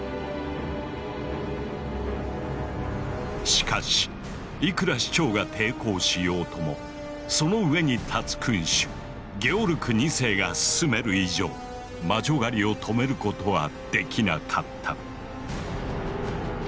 しかしいくら市長が抵抗しようともその上に立つ君主ゲオルク２世が進める以上魔女狩りを止めることはできなかった。